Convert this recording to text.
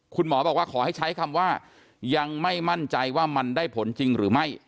คุณหมอบอกว่าขอให้ใช้คำว่ายังไม่มั่นใจว่ามันได้ผลจริงหรือไม่